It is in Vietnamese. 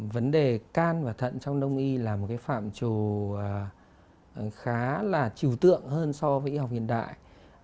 vấn đề gan và thận trong đông y là một phạm trù khá là chiều tượng hơn so với y học hiện đại